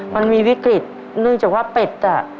มันมีวิกฤตเนื่องจากว่าเป็ดอ่ะ